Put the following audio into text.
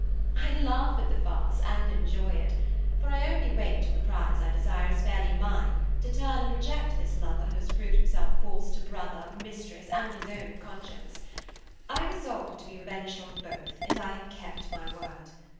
I laugh at the farce and enjoy it, for I only wait till the prize I desire is fairly mine, to turn and reject this lover who has proved himself false to brother, mistress, and his own conscience. I resolved to be revenged on both, and I have kept my word.